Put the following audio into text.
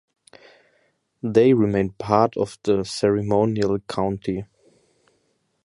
They remain part of the ceremonial county.